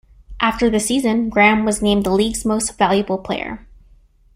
After the season, Graham was named the league's Most Valuable Player.